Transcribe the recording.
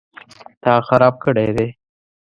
_تا خراب کړی دی؟